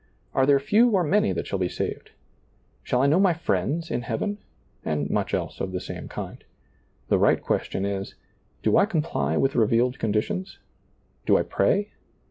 Are there few or many that shall be saved ? Shall I know my friends in Heaven ? and much else of the same kind. The right ques tion is, Do I comply with revealed conditions? Do I pray